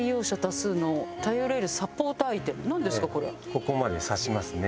ここまで挿しますね